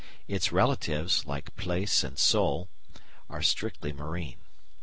Its relatives, like plaice and sole, are strictly marine.